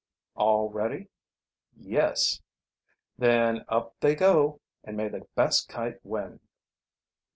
"All ready?" "Yes." "Then up they go and may the best kite win!"